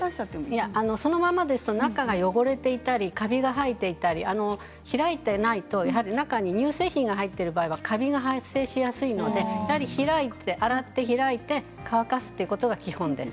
そのままだと中が汚れていたりカビが生えていたり開いていないと中に乳製品が入っている場合はカビが発生しやすいので洗って開いて乾かすということが基本です。